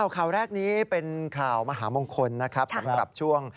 ข่าวแรกนี้เป็นข่าวมหามงคลนะครับสำหรับช่วง